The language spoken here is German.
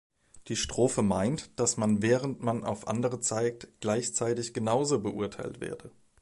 Die Strophe meint, dass man während man auf andere zeigt, gleichzeitig genauso beurteilt werde.